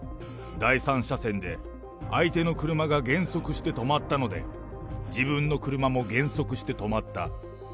第３車線で相手の車が減速して止まったので、自分の車も減速して止まった。